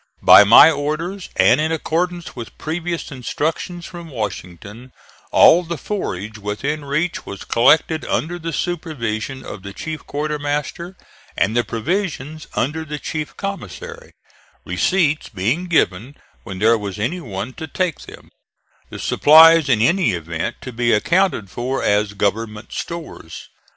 By my orders, and in accordance with previous instructions from Washington, all the forage within reach was collected under the supervision of the chief quartermaster and the provisions under the chief commissary, receipts being given when there was any one to take them; the supplies in any event to be accounted for as government stores.